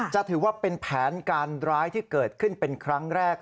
จะถือว่าเป็นแผนการร้ายที่เกิดขึ้นเป็นครั้งแรก